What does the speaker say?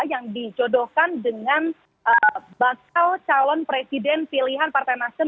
yang dijodohkan dengan bakal calon presiden pilihan partai nasdem